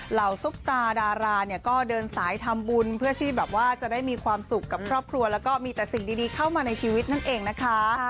ซุปตาดาราเนี่ยก็เดินสายทำบุญเพื่อที่แบบว่าจะได้มีความสุขกับครอบครัวแล้วก็มีแต่สิ่งดีเข้ามาในชีวิตนั่นเองนะคะ